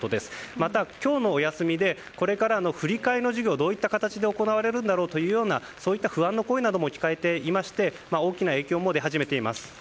また、今日のお休みでこれからの振り替えの授業がどういった形で行われるんだろうというような不安の声も聞かれていまして大きな影響も出始めています。